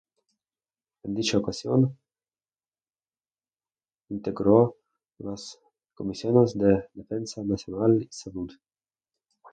En dicha ocasión, integró las comisiones de Defensa Nacional y Salud.